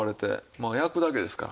もう焼くだけですから。